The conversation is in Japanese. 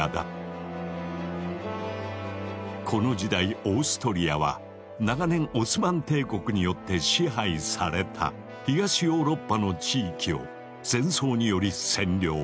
この時代オーストリアは長年オスマン帝国によって支配された東ヨーロッパの地域を戦争により占領。